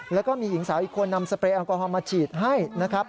แล้วก็มีหญิงสาวอีกคนนำสเปรยแอลกอฮอลมาฉีดให้นะครับ